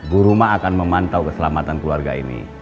buruma akan memantau keselamatan keluarga ini